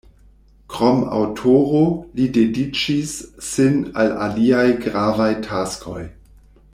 Krom aŭtoro, li dediĉis sin al aliaj gravaj taskoj.